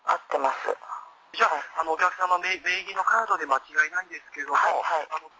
じゃあ、お客様名義のカードで間違いないんですけれども。